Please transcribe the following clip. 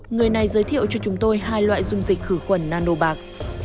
người này giới thiệu cho chúng tôi hai loại dung dịch khử khuẩn nano bạc